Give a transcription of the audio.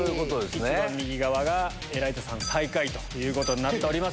一番右側がエライザさん、最下位ということになっております。